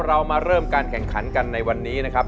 เรามาเริ่มการแข่งขันกันในวันนี้นะครับ